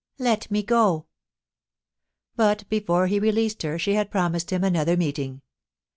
Let me go !' But before he released her she had promised him another meeting.